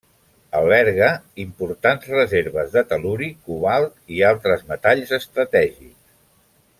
Alberga importants reserves de tel·luri, cobalt i altres metalls estratègics.